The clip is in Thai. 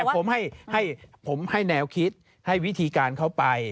ผมให้ผมให้แนวคิดให้วิธีการเขาไป